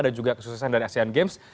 dan juga kesuksesan dari asian games